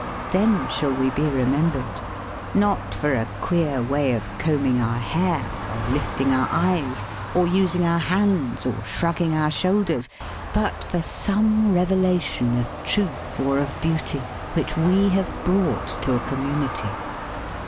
Then shall we be remembered: not, for; a queer way of combing our hair, or lifting our eyes, or using our hands, or shrugging our shoulders; but for some revelation of truth or of beauty which we have brought to a community.